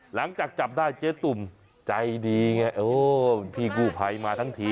หลังจากจับได้เจ๊ตุ่มใจดีไงเออพี่กู้ภัยมาทั้งที